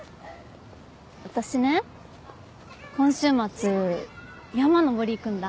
私ね今週末山登りに行くんだ。